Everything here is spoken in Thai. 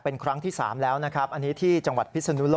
เป็นครั้งที่๓แล้วนะครับอันนี้ที่